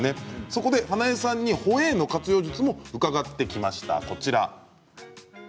そこで、花映さんにホエーの活用術も伺ってきました。